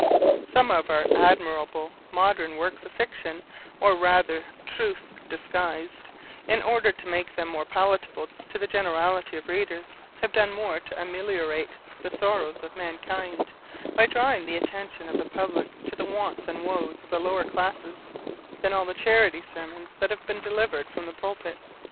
Some of our admirable modern works of fiction, or rather truths disguised, in order to make them more palatable to the generality of readers, have done more to ameliorate the sorrows of mankind, by drawing the attention of the public to the wants and woes of the lower classes, than all the charity sermons that have been delivered from the pulpit.